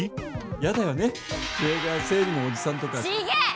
嫌だよね父親が生理のおじさんとか。